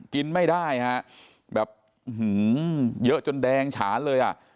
กินไม่ได้ฮะแบบเยอะจนแดงฉานเลยอ่ะ